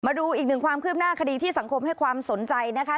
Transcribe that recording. มาดูอีกหนึ่งความคืบหน้าคดีที่สังคมให้ความสนใจนะคะ